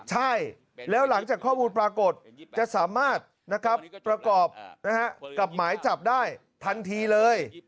ใช่แล้วหลังจากข้อมูลปรากฏจะสามารถประกอบกับหมายจับได้ทันทีเลย